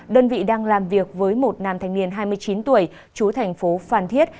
đơn vị đang làm việc với một nam thanh niên hai mươi chín tuổi chú thành phố phan thiết